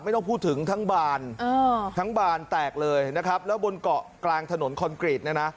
ไม่ต้องพูดถึงทั้งบานทั้งบานแตกเลยนะครับแล้วบนเกาะกลางถนนคอนกรีตเนี่ยนะ